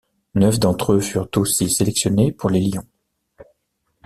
Neuf d'entre eux furent aussi sélectionnés pour les Lions.